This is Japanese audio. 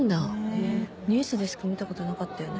ねぇニュースでしか見たことなかったよね。